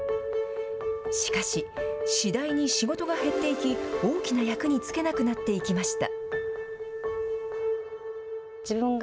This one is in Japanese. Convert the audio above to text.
しかし、次第に仕事が減っていき、大きな役につけなくなっていきました。